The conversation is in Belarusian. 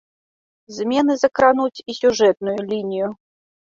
Змены закрануць і сюжэтную лінію.